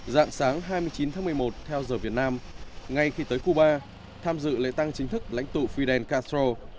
dạng sáng hai mươi chín tháng một mươi một theo giờ việt nam ngay khi tới cuba tham dự lễ tăng chính thức lãnh tụ fidel castro